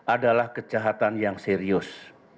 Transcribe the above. adalah kejahatan yang serius